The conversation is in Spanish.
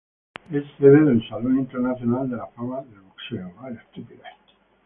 Es sede del Salón Internacional de la Fama del Boxeo.